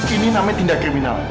ini namanya tindak kriminal